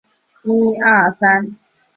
他之后返回山西。